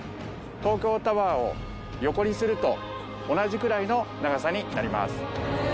東京タワーを横にすると同じくらいの長さになります。